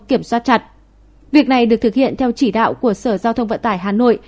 việc này được thực hiện theo chỉ đạo của sở giao thông vận tải hà nội